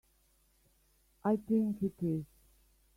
I think it is.